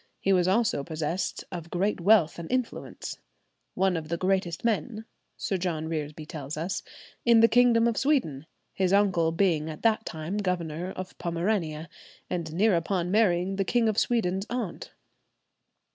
He was also possessed of great wealth and influence;" "one of the greatest men," Sir John Reresby tells us, "in the kingdom of Sweden; his uncle being at that time governor of Pomerania, and near upon marrying the King of Sweden's aunt."